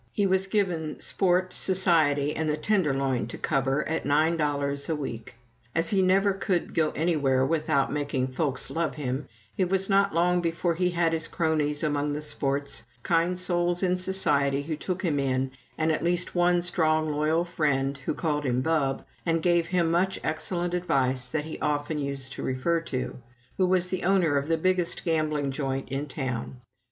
He was given sport, society, and the tenderloin to cover, at nine dollars a week. As he never could go anywhere without making folks love him, it was not long before he had his cronies among the "sports," kind souls "in society" who took him in, and at least one strong, loyal friend, who called him "Bub," and gave him much excellent advice that he often used to refer to, who was the owner of the biggest gambling joint in town.